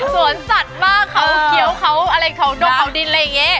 สวนสัตว์บ้างเขาเขียวเขาอะไรเขาดกเขาดินอะไรอย่างนี้